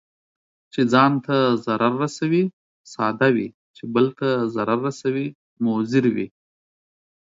چي ځان ته ضرر رسوي، ساده وي، چې بل ته ضرر رسوي مضر وي.